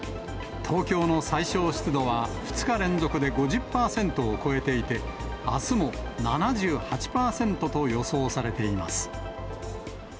東京の最小湿度は２日連続で５０％を超えていて、あすも７８％と予想されています。